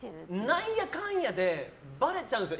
なんやかんやでばれちゃうんですよ。